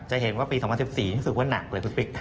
จะเห็นว่าปี๒๐๑๔รู้สึกว่าหนักเลยคุณปิ๊ก